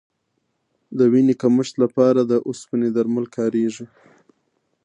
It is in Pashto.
د وینې کمښت لپاره د اوسپنې درمل کارېږي.